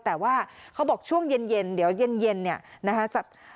แต่ว่าเขาบอกช่วงเย็นเดี๋ยวเย็นเนี่ยนะคะ